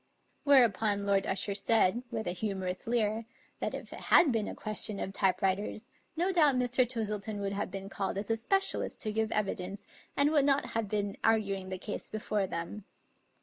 Whereupon Lord Usher said,, with a humorous leer, that if it had been a question of type writers, no doubt Mr. Twistleton would have been called as a specialist to give evidence, and would not have been arguing the case before them.